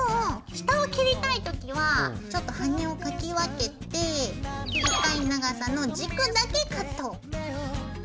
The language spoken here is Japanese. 下を切りたい時はちょっと羽根をかき分けて切りたい長さの軸だけカット。